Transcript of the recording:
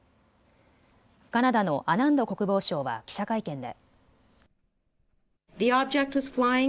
カナダのアナンド国防相は記者会見で。